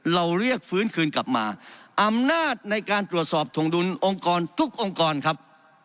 เราเรียกฟื้นคืนกลับมาอำนาจในการตรวจสอบถงดุลองค์กรทุกองค์กรครับ